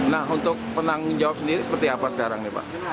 nah untuk penanggung jawab sendiri seperti apa sekarang nih pak